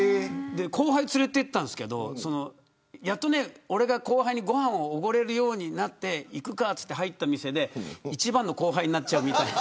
後輩を連れて行ったんですけど俺が後輩にご飯をおごれるようになって行くかといって入った店で１番の後輩になっちゃうみたいな。